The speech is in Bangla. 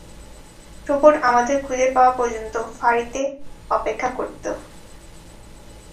রোবট আমাদের খুঁজে পাওয়া পর্যন্ত ফাঁড়িতে অপেক্ষা করতে?